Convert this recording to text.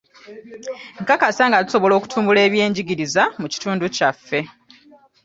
Nkakasa nga tusobola okutumbula eby'enjigiriza mu kitundu kyaffe.